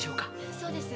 そうです。